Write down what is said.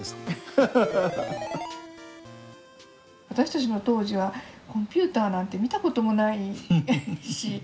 私たちの当時はコンピューターなんて見たこともないし。